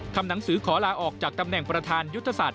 ทำหนังสือขอลาออกจากตำแหน่งประธานยุทธศาสต